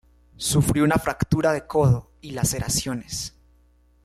Sufrió una fractura de codo y laceraciones.